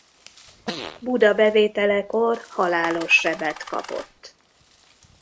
Buda bevételekor halálos sebet kapott.